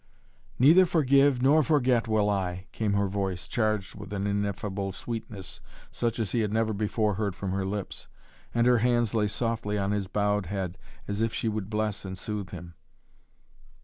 "Neither forgive nor forget will I," came her voice, charged with an ineffable sweetness, such as he had never before heard from her lips, and her hands lay softly on his bowed head as if she would bless and soothe him.